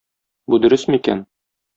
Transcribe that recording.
Бу дөресме икән?